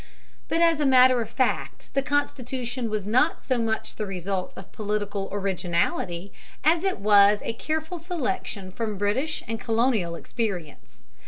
But as a matter of fact the Constitution was not so much the result of political originality as it was a careful selection from British and colonial experience.